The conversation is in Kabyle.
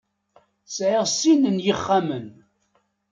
Sɛiɣ sin n yixxamen.